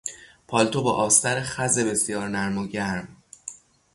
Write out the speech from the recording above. پالتو با آستر خز بسیار نرم و گرم